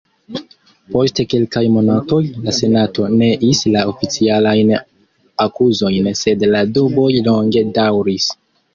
Post kelkaj monatoj, la Senato neis la oficialajn akuzojn sed la duboj longe daŭris.